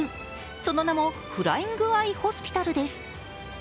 その名もフライング・アイ・ホスピタルです。